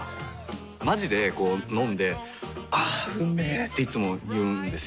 まじでこう飲んで「あーうんめ」っていつも言うんですよ。